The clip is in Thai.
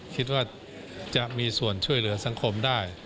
คิดว่าจะมีส่วนช่วยเหลือสังคมได้